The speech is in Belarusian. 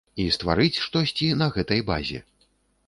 І стварыць штосьці на гэтай базе.